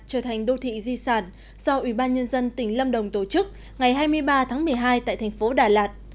trở thành đô thị di sản do ủy ban nhân dân tỉnh lâm đồng tổ chức ngày hai mươi ba tháng một mươi hai tại thành phố đà lạt